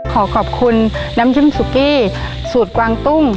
ขอขอบคุณน้ำจิ้มซุกี้สูตรกวางตุ้ง